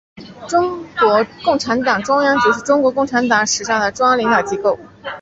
中国共产党中央局是中国共产党历史上的中央领导机构。